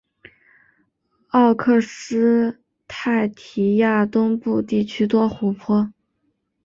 奥克施泰提亚东部地区多湖泊。